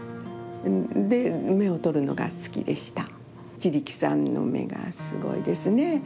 一力さんの眼がすごいですね。